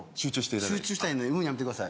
集中したいんで「うーん」やめてください